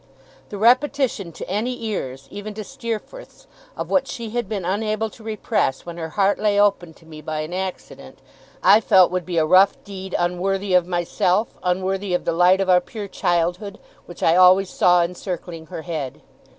The repetition to any ears even to Steerforth's of what she had been unable to repress when her heart lay open to me by an accident, I felt would be a rough deed, unworthy of myself, unworthy of the light of our pure childhood, which I always saw encircling her head.